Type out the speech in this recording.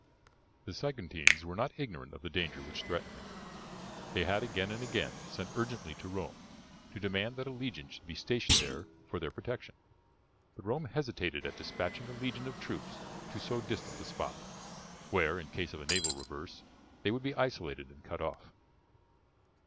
The Saguntines were not ignorant of the danger which threatened them. They had again and again sent urgently to Rome to demand that a legion should be stationed there for their protection. But Rome hesitated at despatching a legion of troops to so distant a spot, where, in case of a naval reverse, they would be isolated and cut off.